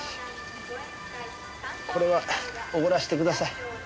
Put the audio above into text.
これは奢らせてください。